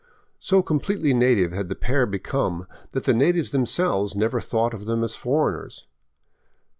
So completely native had the pair become that the natives themselves never thought of them as foreigners.